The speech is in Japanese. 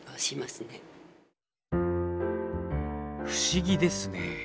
不思議ですね。